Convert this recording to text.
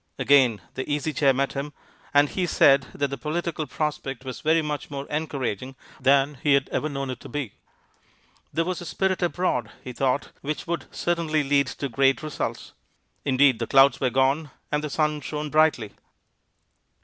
Again the Easy Chair met him, and he said that the political prospect was very much more encouraging than he had ever known it to be. There was a spirit abroad, he thought, which would certainly lead to great results. Indeed, the clouds were gone, and the sun shone brightly.